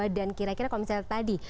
kira kira kalau misalnya tadi